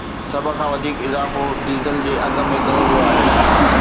سڀ کان وڌيڪ اضافو ڊيزل جي اگهه ۾ ڪيو ويو آهي